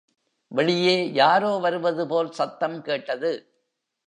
வெளியே யாரோ வருவதுபோல் சத்தம் கேட்டது.